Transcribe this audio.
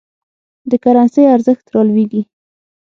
د کرنسۍ ارزښت رالویږي.